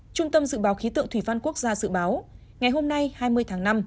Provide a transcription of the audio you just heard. trung tâm dự báo khí tượng thủy văn quốc gia dự báo ngày hôm nay hai mươi tháng năm